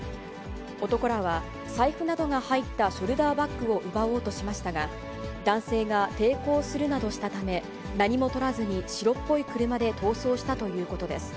男らは財布などが入ったショルダーバッグを奪おうとしましたが、男性が抵抗するなどしたため、何もとらずに、白っぽい車で逃走したということです。